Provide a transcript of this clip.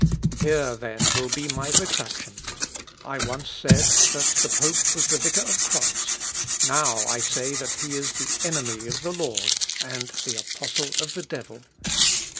Here then will be my retractation: I once said, that the pope was the vicar of Christ; now, I say that he is the enemy of the Lord, and the apostle of the devil."